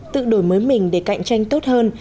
tự đổi mới mình để cạnh tranh tốt hơn